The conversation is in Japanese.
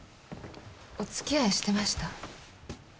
お付き合いしてました。